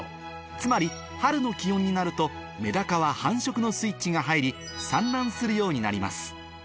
つまり春の気温になるとメダカは繁殖のスイッチが入り産卵するようになります